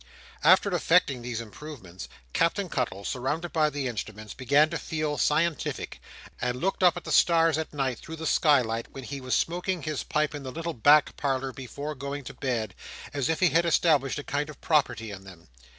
After effecting these improvements, Captain Cuttle, surrounded by the instruments, began to feel scientific: and looked up at the stars at night, through the skylight, when he was smoking his pipe in the little back parlour before going to bed, as if he had established a kind of property in them.